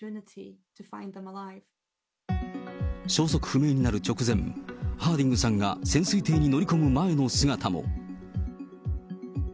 消息不明になる直前、ハーディングさんが潜水艇に乗り込む前の姿も。